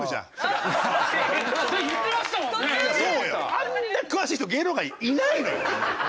あんな詳しい人芸能界いないのよ！